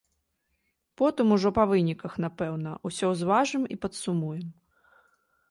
Потым ужо, па выніках, напэўна, усё ўзважым і падсумуем.